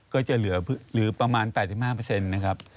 ก็จะเหลือประมาณ๘๕นะครับ